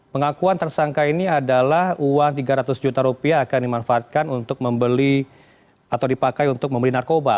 pengakuan tersangka ini adalah uang tiga ratus juta rupiah akan dimanfaatkan untuk membeli atau dipakai untuk membeli narkoba